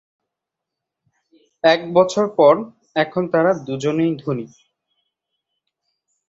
এক বছর পর এখন তারা দুজনেই ধনী।